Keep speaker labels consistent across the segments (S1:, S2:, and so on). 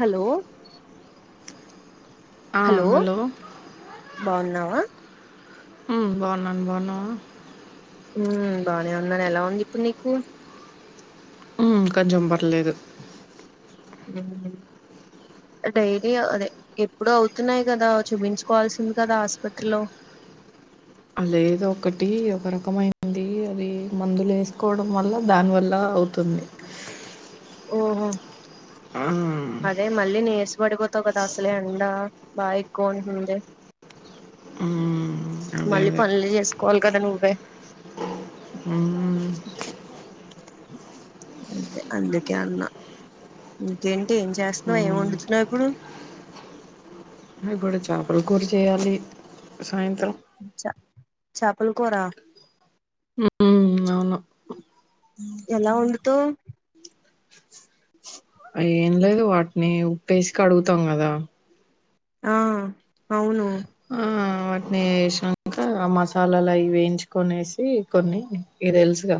S1: Hello
S2: ఆ hello
S1: బాగున్నావా
S2: ఉమ్ బాగున్న నవ్ బాగున్నావా
S1: ఉమ్ బానే ఉన్నాను ఎలా ఉంది ఇప్పుడు నీకు
S2: ఉమ్ కొంచెం పర్లేదు
S1: ఉ డైలీ అదే ఎప్పుడు అవుతున్నాయి కదా చూపించుకోవాల్సింది కదా ఆసుపత్రిలో
S2: ఆ లేదు ఒకటి ఒక రకమయింది మది మందులు వేసుకోవడం వల్ల దానివల్ల అవుతుంది
S1: ఓహో
S2: ఆ
S1: బడకి బోతవుగా అస్లే ఎండా బా ఎక్కువ ఉంటోంది
S2: హ్మ్. అదే.
S1: మళ్ళీ
S2: అదే.
S1: పనులు చేసుకోవాలి కదా నువ్వే
S2: ఉహుం
S1: అదే అందుకే అన్న ఇంకేంటి ఏం చేస్తున్నావు ఏం
S2: హ్మ్.
S1: వండుతున్నావు ఇప్పుడు
S2: ఇప్పుడు చాపల కూర చేయాలి సాయంత్రం
S1: చ చాపలు కూరా
S2: హ్మ్. అవును.
S1: ఎలా వండుతవు
S2: ఏం లేదు వాటిని ఉప్పేసి కడుగుతాం కదా
S1: ఆ అవును
S2: ఆ వాటిని ఏశాంక ఆ మసాలాల ఇవి వేయించుకనేసి కొన్ని ఈ తెల్స్ గా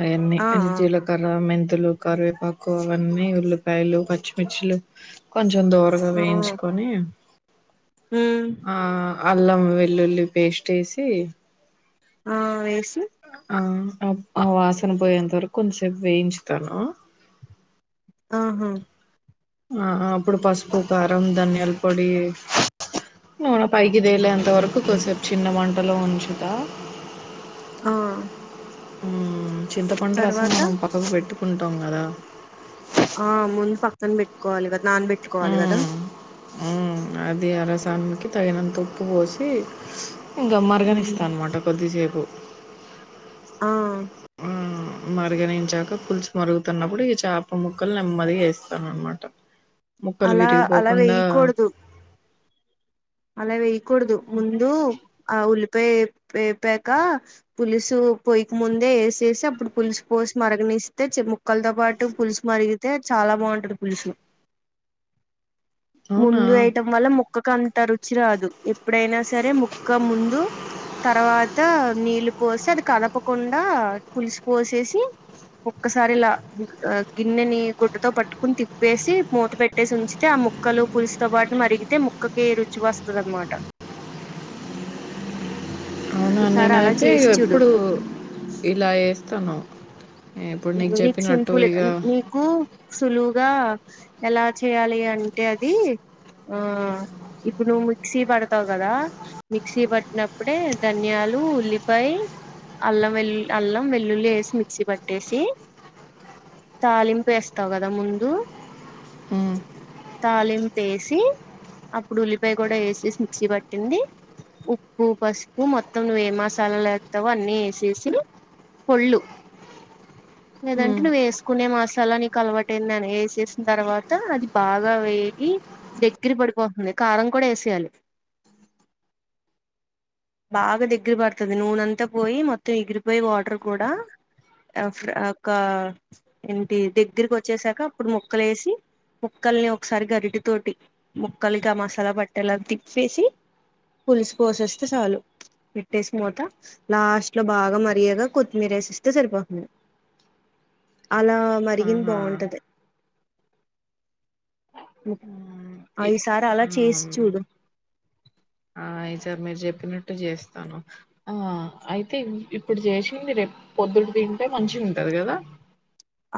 S2: అయాన్నీ
S1: ఆ
S2: అ
S1: ఆ
S2: జీలకర్ర మెన్ మెంతులు కరివేపాకు అవన్నీ ఉల్లిపాయలు పచ్చిమిర్చిలు కొన్నీ కొంచెం దోరగా
S1: ఆ
S2: వేయించుకొని
S1: ఉమ్
S2: ఆ అల్లం వెల్లుల్లి పేస్ట్ వేసి
S1: ఆ వేసీ
S2: ఆ ఆ వాసన పోయేంత వరకు కొంచంసేపు వేయించుతాను
S1: ఆహా
S2: ఆహా అప్పుడు పసుపు కారం దన్యాల పొడి నూనె పైకి తేలేంత వరకు కొసేపు చిన్న వంటలో ఉంచుతా
S1: ఆ
S2: ఆ చింతపండు రసం
S1: తర్వాత
S2: మనం పక్కకు పెట్టుకుంటాం కదా
S1: ఆ ముందు పక్కన పెట్టుకోవాలి కదా నాన పెట్టుకోవాలి కదా
S2: ఆ అది ఆ రసానకి తగినంత ఉప్పు పోసి ఇంగా
S1: ఉమ్
S2: మరగనిస్తా అన్నమాట కొద్దిసేపు
S1: ఆ
S2: మరిగనించాక పులుసు మరుగుతున్నప్పుడు ఇగ చాప ముక్కలు నెమ్మదిగా ఏస్తాననమాట ముక్కలు
S1: అలా అలా
S2: విరిగిపోకుండా
S1: వేయకూడదు అలా వేయకూడదు ముందు ఆ ఉల్ పే ఏపక పులుసు పొయక ముందే ఏసేసి అప్పుడు పులుసు పోసి మరగ నిస్తే చి ముక్కలతో పాటు పులుసు మరిగితే చాలా బాగుంటది పులుసు
S2: అవునా?
S1: ముందు వేయటం వల్ల ముక్కకు అ త రుచి రాదు ఎప్పుడైనా సరే ముక్క ముందు తర్వాత నీళ్ళు పోసి అది కదపకుండా పులుసు పోసేసి ఒక్కసారి ఇలా గిన్నెని గుడ్డతో పట్కొని తిప్పేసి మూత పెట్టేసి ఉంచితే ముక్కలు పుల్స్తో పాటు మరిగితే ముక్క ఈ రుచి వస్తది అన్మాట
S2: అవునా నేనైతే ఇగ ఎప్పుడు ఇలా ఎస్త
S1: నీక్ సింపుల్గా నీకు సులువుగా ఎలా చేయాలి అంటే అది ఆ ఇప్పుడు నువ్వు మిక్సీ పడతావ్ గదా మిక్సీ పట్టినప్పుడే ధనియా ఉల్లిపాయ్ అల్లం వెల్ అల్లం వెల్లుల్లి ఏసి మిక్సీ పట్ పెట్టేసి తాలింపెస్తావు కదా ముందు
S2: హ్మ్.
S1: తాలింపెసి అప్పుడు ఉల్లిపాయ కుడా ఏసేసి మిక్సీ పట్టింది. ఉప్పు, పసుపు మొత్తం నువెం మసాలాలేత్తావొ అన్నీ ఏసేసి పళ్లు లేదంటే
S2: హ్మ్.
S1: నువెస్కునే మసాలా నీకు అలవాటందన్ని వేసేసిన తర్వాత అది బాగా వేగి దగ్గర పడ్పోతుంది కారం కుడా ఏసేయాలి. బాగా దగ్గర పడతది నూనంతా పోయి మొత్తం ఎగిరిపోయి వాటర్ కుడా ఒక ఏంటి దగ్గకొచ్చేసాక అప్పుడ్ ముక్కలేసి ముక్కల్ని ఒకసారి గరిట తోటి ముక్కలుగా మసాలా పట్టేలా తిప్పేసి పులుసు పోసేస్తే చాలు పెట్టేస్ మూత లాస్ట్ లో బాగా మరిగేదా కొత్మీరెసేస్తే సరిపో అలా మరిగింద్
S2: ఆహా!
S1: బాగుంటది.
S2: హ్మ్. ఇ
S1: ఐసారా అలా చేస్
S2: ఆ!
S1: చూడు
S2: ఆ ఈసారి మీరు చెప్పినట్టు చేస్తాను ఆ అయితే ఇప్పుడు చేసింది రేప్ పొద్ ఇప్పుడ్ తింటే కొంచం ఉంటది కదా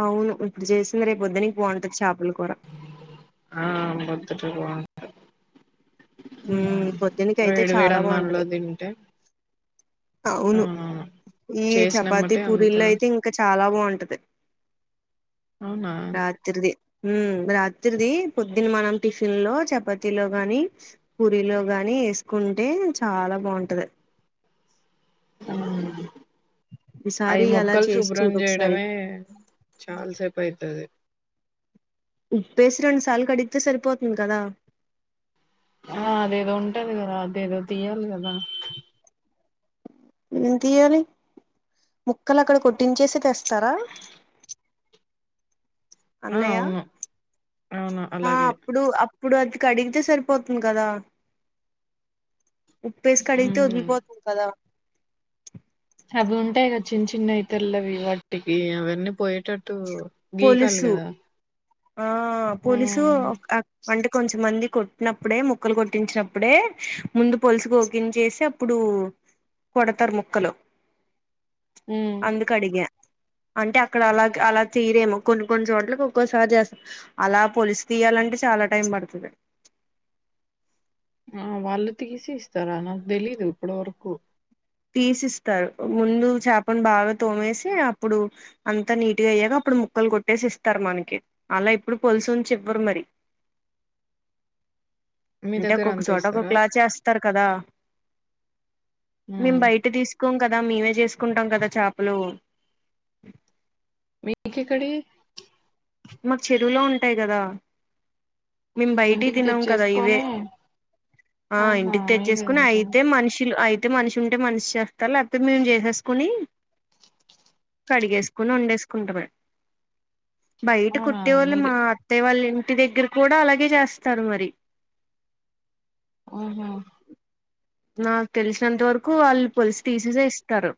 S1: అవును ఇప్పుడు చేసినవి రేప్ పొద్దడికి బాగుంటది చాపల కూర
S2: ఆ అ నేన్ అంతా పని మనేతను
S1: పొద్దునికి అయితే
S2: వేడి వేడి
S1: చాలా
S2: అన్నం లో
S1: బాగుంటది
S2: తింటే ఆహా
S1: మీ చపాతి, పూరీల్లో అయితే ఇంకా చాలా బాగుంటది.
S2: అవునా
S1: రాత్రిన్ది రాత్రిన్ది పొద్దున్న మనం టిఫిన్ లో చపాతిలో గాని పూరిలో గాని ఏసుకుంటే చాలా బావుంటది అది
S2: అవు అయ్
S1: ఈసారి అలా
S2: ముక్కల్
S1: చేసి
S2: శుభ్రం
S1: చూడు ఒకసారి
S2: చేయడమే చాన సేపయతది
S1: ఉప్పేసి రెండు సార్లు కడిగితే సరిపోతుంది కదా
S2: ఆహా అదేదో ఉంటది గదా అదేదో తీయాలి కదా
S1: ఏం తీయాలి ముక్కల్ అక్కడ కొట్టించేసి తెస్తారా
S2: ఆ
S1: అన్నయ్య
S2: అవును అవును
S1: ఆ
S2: అలాగే
S1: అప్పుడు అప్పుడు అది కడిగితే సరిపోతుంది కదా ఉప్పేసి కడిగితే
S2: ఉమ్
S1: వదిలిపోతుంది కదా
S2: అవి ఉంటయి గా చిన్ చినైయి తెల్లవి, లడ్డువి అవన్నీ పోయేటట్టు గీకాలి కదా
S1: ఆహా పులుసు
S2: ఉమ్,
S1: [unintelligible] అంటే కొంచెమంది కొట్నప్పుడే ముక్కలు కొట్టించెటప్పుడే ముందు పొలుసు కోకించేసి అప్పుడు పడతార్ ముక్కలు
S2: ఉమ్.
S1: అందుకు అడిగా అంటే అక్కడ అలాగ అలా తీరేమో కొన్ని కొన్ని చోట్లకి ఒక్కోసారి చేస్తాం అలా పొలిసు తీయాలంటే చాలా టైం పడుతది.
S2: ఆ వాళ్ళు తీసి ఇస్తారా నాకు తెలీదు ఇప్పటి వరకు
S1: తీసిస్తారు ముందు చాపను బాగా తోమేసి అప్పుడు అంతా నీట్గా అయ్యాక ఇప్పుడు ముక్కలు కొట్టేసి ఇస్తారు మనకి అలా ఇప్పుడు పోలుసువుంచి ఇవ్వరు మరి
S2: మీ
S1: అంటే
S2: దగ్గర
S1: ఒక్కొక్క
S2: అంత
S1: చోట
S2: ఇస్తారా
S1: ఒక్కొక్కలా చేస్తారు కదా మేము బయట తీసుకోంక కదా మేమే చేసుకుంటాం కదా చాపలు
S2: మీ కెక్కడియి
S1: మాకు చెరువులో ఉంటాయి కదా మేం బయటియి
S2: ఇంటికి
S1: తినం కదా ఇవే
S2: తెచ్చేసుకొని
S1: ఆ
S2: ఆహా
S1: ఇంటికి
S2: మీరే
S1: తెచ్చేసుకుని
S2: తింటారు
S1: అయితే మనుషులు అయి అయితే మనిషి ఉంటే మనిషి చేస్తారు లేకపోతే మేము చేసేసుకుని కడిగేసుకుని వండేసుకుంటామే బయట
S2: అవునా
S1: కుట్టేవాళ్ళు మా
S2: మీరే
S1: అత్తయ్య వాళ్ళుం ఇంటి దగ్గర కూడా అలాగే చేస్తారు మరి
S2: ఆహా
S1: నాకు తెలిసినంత వరకు వాళ్ళు పోలిసి తీసేసే ఇస్తారు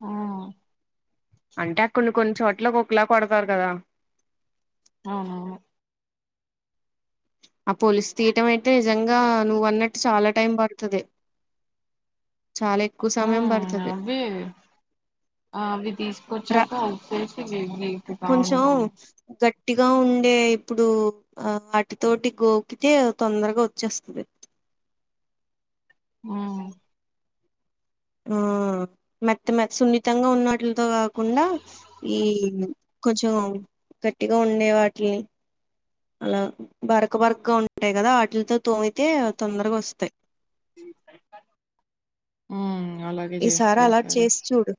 S2: ఆ
S1: అంటే అ కొన్ని కొన్ని చోట్ల ఒక్కలా కొడతారు కదా
S2: అవును
S1: ఆ పోలిస్ తీయటం అయితే నిజంగా నువ్వు అన్నట్టు చాలా టైం పడుతది. చాలా ఎక్కువ సమయం
S2: ఉమ్
S1: పడుతది
S2: అవి ఆ, అవి
S1: రా
S2: తీసుకొచ్చాక ఉప్పేసి గీ- గీకుతా
S1: కొంచం
S2: ఉంటాము
S1: గట్ గట్టిగా ఉండే ఇప్పుడు అట్టతోటి గోకితే తొందరగా వచ్చేస్తది
S2: ఆ
S1: ఆ మెత్త మే సున్నితంగా ఉన్నట్లితో కాకుండా ఈ కొంచెం గట్టిగా ఉండే వాటిలిని అలా బరక బరకగా ఉంటాయి కదా వాటిలతో తోమితే తొందరగా వస్తాయి
S2: ఆ
S1: ఈసారీ అలా చేసి చూడు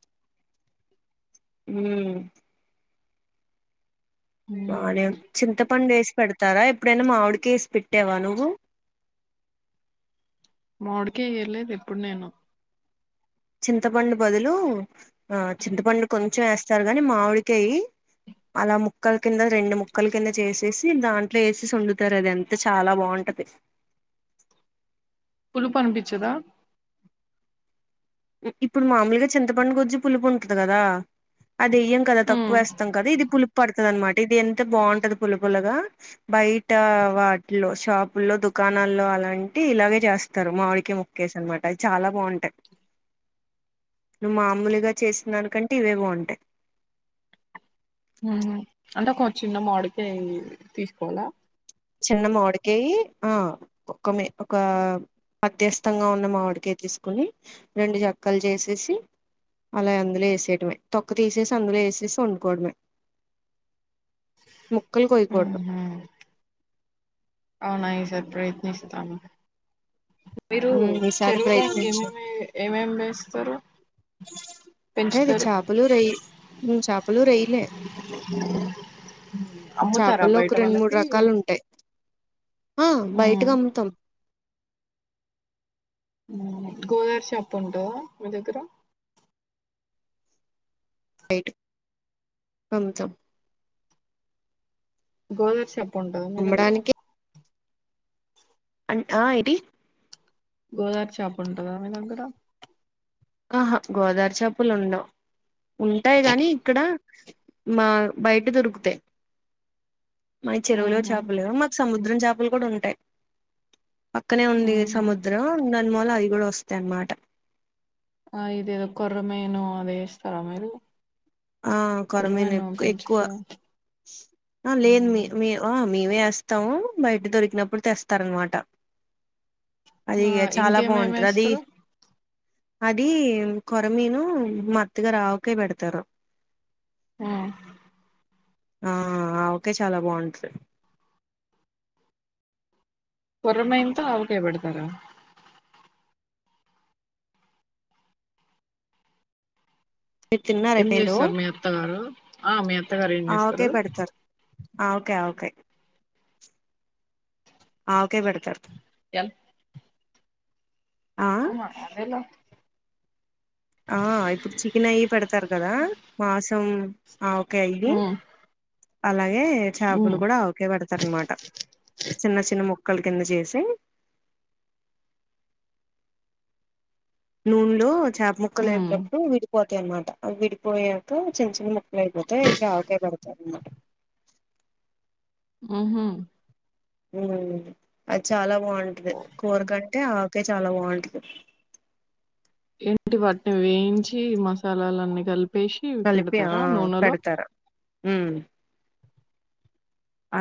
S1: ఉమ్
S2: ఉమ్
S1: మానేమ్ చింతపండు ఏసి పెడతారా ఎప్పుడైనా మావిడికేసి పెట్టావా నువ్వు
S2: మావిడికేయ ఏర్లేదు ఎప్పుడు నేను
S1: చింతపండు బదులు ఆ చింతపండు కొంచెం వేస్తారు కాని మామిడికయ్యి అలా ముక్కల కింద రెండు ముక్కల కింద చేసేసి దాంట్లో వేసేసి వండుతారు అది అంతా చాలా బాగుంటది
S2: పులుపు అనిపించదా
S1: ఇప్పుడు మామూలుగా చింతపండు గుజ్జు పులుపు ఉంటది కదా అది వెయ్యం కదా
S2: ఉమ్
S1: తక్కువేస్తాం కదా ఇది పులుప్ పడుతుంది అనమాట ఇది ఎంత బాగుంటది పుల్ల పుల్లగా బయట వాటిలో షాపుల్లో దొ దుకాణాల్లో అలాంటివి ఇలాగే చేస్తారు మామిడికయా ముక్కేసి అనమాట అవి చాలా బాగుంటాయి నువ్వు మామూలుగా చేసిదానికంటే ఇవే బావుటాయి
S2: ఉహూ అంటే ఒక చిన్న మాడికాయి తీసుకోవాలా
S1: చిన్న మామిడికయి ఆ ఒక ఒక మధ్యస్థంగా ఉన్న మామిడికయి తీసుకొని రెండు జక్కలు జేసేసి అలా అందులో వేసేయటమే తొక్క తీసేసి అందులో ఏసేసి వండుకోవడమే ముక్కలు కోయకూడదు
S2: ఉహు అవునా ఈ సారి ప్రయత్నిస్తాను మీరు
S1: ఉమ్, ఈసారి
S2: చెరువులో
S1: ప్రయత్నించు
S2: ఇంకేమేమి ఏమేమి పెంచ్తారు
S1: టాక్ హెయి అది చాపలు రోయి ఉమ్ చాపలు రోయిలే
S2: అమ్ముతారా
S1: చేపల్లో
S2: బయట
S1: ఒక రెండు మూడు
S2: వాళ్ళకి
S1: రకాలు ఉంటాయి ఆ
S2: ఉమ్
S1: బయటికమ్ముతాం
S2: గోదారి షాప్ ఉంటాద మీ దగ్గర
S1: టైట్ కొంచెం
S2: గోదారి చాప ఉంటాద మీ దగ్గర
S1: అం ఆ ఇటీ
S2: గోదారి చేప ఉంటందా మీదగ్గర
S1: ఆహా గోదారి చేపలు ఉండవు ఉంటాయి గానీ ఇక్కడ మా బయట దొరుకుతాయి మాయి చెరువులో
S2: ఉహు
S1: చేపలు మాకు సముద్రం చేపలు గూడ ఉంటాయి పక్కనే ఉంది
S2: ఉహు
S1: సముద్రం దాని మూల అవి గూడ వస్తాయి అన్నమాట
S2: ఆ ఇదేదో కొర్ర మేను అది ఏస్తారా మీరు
S1: ఆ కొర్ర మేను
S2: కొర్రమీను
S1: ఎక్ ఎక్కువ
S2: పెంచుతారా
S1: ఆ లేదు మీ మీ ఆహా మేమే ఏస్తాము బయట దొరికినప్పుడు తెస్తారన్న మాట అది
S2: ఆ
S1: ఇగ చాలా
S2: ఇంకేమేమి
S1: బావుంటది అది
S2: వేస్తారు
S1: అది కొరమీను మత్తగా రావుకే పెడతారు
S2: ఉమ్మ్
S1: ఆ ఆవకాయ చాలా బావుంటది
S2: కొర్ర మేన్ తో ఆవకాయపెడతారా
S1: మీరు తిన్నారా
S2: ఏం
S1: ఎప్పుడైనా
S2: జేస్తారు మీ అత్తగారు ఆ మీ అత్తగారు ఏం జేస్తారు
S1: అవకాయ్ ఆవకాయ్ ఆవకాయ్ పెడతారు
S2: యన్
S1: ఆ
S2: అవునా అదేలా
S1: ఆ ఇప్పుడు చికెన్ అయి ఇయి పెడతారు గదా మాంసం ఆవకాయి
S2: ఉమ్
S1: అలాగే
S2: ఉమ్
S1: చేపలు గూడ ఆవకాయ పెడతారన్న మాట చిన్న చిన్న మొక్క ముక్కలు కింద జేసీ నూనెలో చేప ముక్కలు
S2: ఉమ్
S1: ఏవేటప్పుడు విడిపోతాయి అన్నమాట అవి విడిపోయాక చిన్న చిన్న ముక్క ఇలా అయిపోతేయి అవకాయ్ పెడతారన్నమాట
S2: ఉహూ
S1: ఉమ్మ్ అది చాలా బావుంటది కూరకంటే ఆ కే చాలా బావుంటది
S2: ఏంటి వాటిని వేయించి మసాలాలన్నీ గలిపి ఉప్పు
S1: కలిపి ఆ
S2: పెడతారా నూనెలో
S1: పెడతారు ఉమ్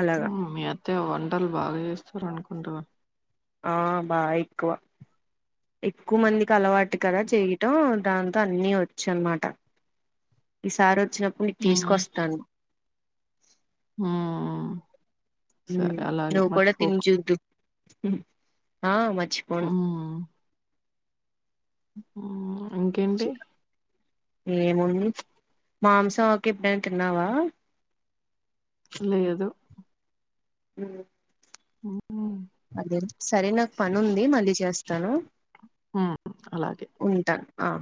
S1: అలాగా
S2: ఉమ్మ్ మీ అత్తయ్య వంటలు బాగా జేస్తారనుకుంటాగా
S1: ఆ బాగ్ ఎక్కువ ఎక్కువ మందికి అలవాటు కదా చేయటం దాంతో అన్ని వచ్చు అన్నమాట ఈసారి వచ్చినప్పుడు నీకు తీసుకొస్తాను
S2: హా ఆ
S1: నువ్వు కూడా తిని చూద్దువు ఆ మచ్చిపోను
S2: ఉమ్ ఇంకేంటి
S1: ఏముంది మాంసం కి ఎప్పుడైనా తిన్నావా
S2: లేదు
S1: ఉమ్
S2: ఉమ్
S1: అదే సరే నాకు పనుంది మళ్ళీ చేస్తాను
S2: ఉమ్ అలాగే
S1: ఉంటా ఆ